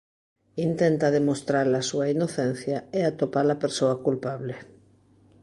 Intenta demostrar a súa inocencia e atopar a persoa culpable.